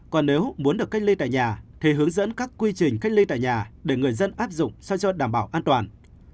còn nếu muốn được kinh ly tại nhà thì hướng dẫn các quy trình kinh ly tại nhà để người dân áp dụng so với đảm bảo an toàn